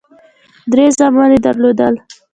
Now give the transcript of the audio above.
درې زامن یې درلودل.